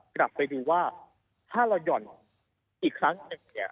กลับไปดูว่าถ้าเราหย่อนอีกครั้งหนึ่งเนี่ย